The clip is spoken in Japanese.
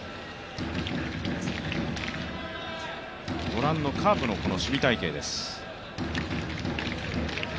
御覧のカープの守備隊形です。